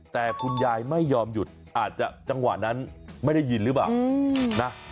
แต่คุณยายไม่ยอมหยุดอาจจะจังหวะนั้นไม่ได้ยินหรือเปล่านะ